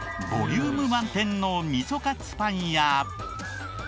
ボリューム満点のみそカツパンや。